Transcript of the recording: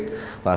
và thông báo